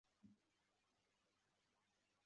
Umusore arimo kuzamuka urutare